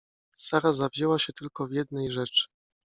Sara zawzięła się tylko w jednej rzeczy.